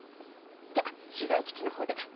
じゃ取材基地の方で。